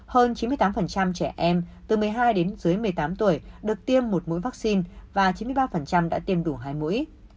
hơn chín mươi tám trẻ em từ một mươi hai đến dưới một mươi tám tuổi được tiêm một mũi vaccine và chín mươi ba đã tiêm đủ hai mũi